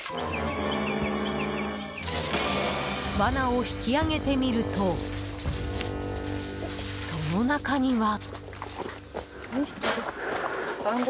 罠を引き上げてみるとその中には。